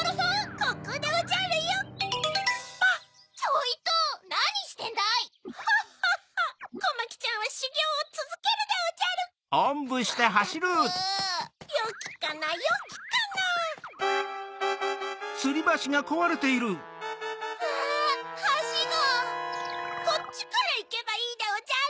こっちからいけばいいでおじゃる。